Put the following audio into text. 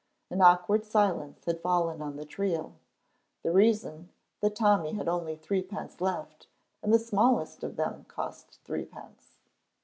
An awkward silence had fallen on the trio; the reason, that Tommy had only threepence left and the smallest of them cost threepence.